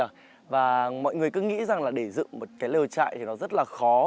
dạ và mọi người cứ nghĩ rằng là để dựng một cái lều chạy thì nó rất là khó